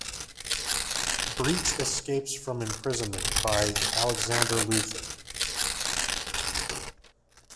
Breach escapes from imprisonment by Alexander Luthor.